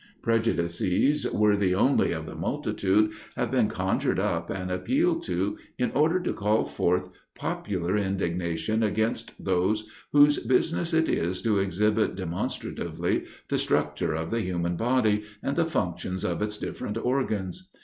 Prejudices, worthy only of the multitude, have been conjured up and appealed to, in order to call forth popular indignation against those whose business it is to exhibit demonstratively the structure of the human body, and the functions of its different organs.